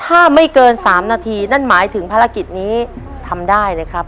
ถ้าไม่เกิน๓นาทีนั่นหมายถึงภารกิจนี้ทำได้เลยครับ